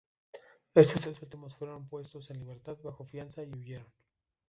Estos tres últimos fueron puestos en libertad bajo fianza y huyeron.